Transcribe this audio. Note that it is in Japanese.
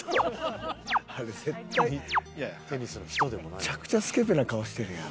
めちゃくちゃスケベな顔してるやん。